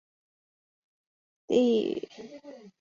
刘銮雄证实吕丽君怀孕。